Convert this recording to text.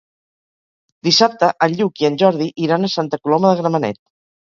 Dissabte en Lluc i en Jordi iran a Santa Coloma de Gramenet.